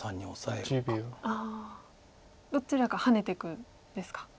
どちらかハネていくんですか。